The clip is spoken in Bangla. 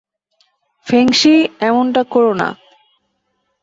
ফেংশি, এমনটা কোরো না!